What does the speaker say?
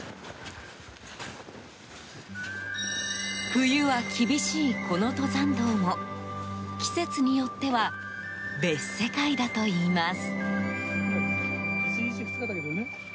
冬は厳しいこの登山道も季節によっては別世界だといいます。